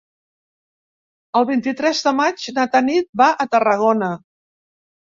El vint-i-tres de maig na Tanit va a Tarragona.